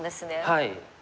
はい。